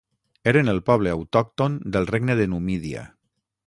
Eren el poble autòcton del regne de Numídia.